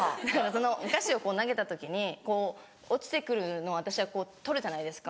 そのお菓子をこう投げた時に落ちて来るのを私は取るじゃないですか。